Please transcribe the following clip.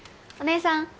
お姉さん。